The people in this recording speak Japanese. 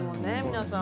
皆さん。